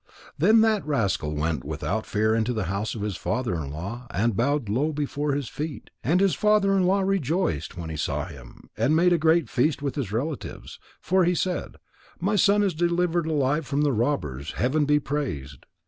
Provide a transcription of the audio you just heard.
Then that rascal went without fear into the house of his father in law and bowed low before his feet. And his father in law rejoiced when he saw him and made a great feast with his relatives, for he said: "My son is delivered alive from the robbers. Heaven be praised!"